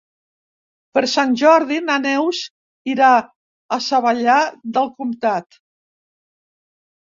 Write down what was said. Per Sant Jordi na Neus irà a Savallà del Comtat.